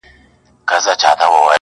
له نمرود څخه د کبر جام نسکور سو!!!!!